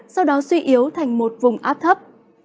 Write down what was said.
sau đó suy yếu thành một vùng áp thấp